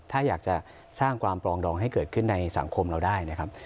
ถ้าอยากจะสร้างความปลองดองให้เกิดขึ้นในสังคมเราได้นะครับ